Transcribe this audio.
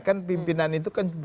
kan pimpinan itu kan